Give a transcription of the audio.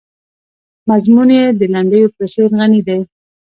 مضمون یې د لنډیو په څېر غني دی.